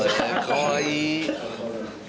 かわいい。